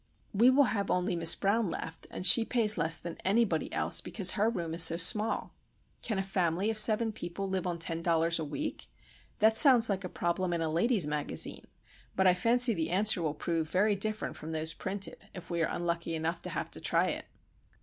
We will have only Miss Brown left, and she pays less than anybody else because her room is so small. Can a family of seven people live on ten dollars a week? That sounds like a problem in a Lady's Magazine; but I fancy the answer will prove very different from those printed, if we are unlucky enough to have to try it.